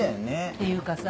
っていうかさ